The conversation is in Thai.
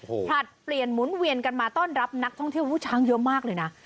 ผลัดเปลี่ยนหมุนเวียนกันมาต้อนรับนักท่องเที่ยวช้างเยอะมากเลยนะ